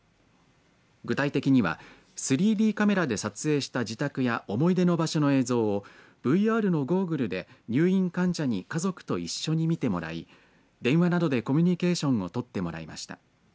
具体的には３Ｄカメラで撮影した自宅や思い出の場所の映像をＶＲのゴーグルで入院患者に家族と一緒に見てもらい電話などでコミュニケーションを取ってもらいました。